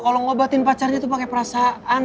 kalau ngobatin pacarnya tuh pakai perasaan